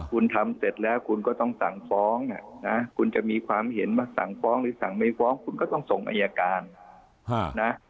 คุณทำเสร็จแล้วคุณก็ต้องสั่งฟ้องคุณจะมีความเห็นว่าสั่งฟ้องหรือสั่งไม่ฟ้องคุณก็ต้องส่งอายการนะ